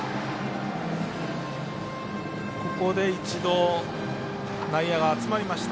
ここで一度、内野が集まりました。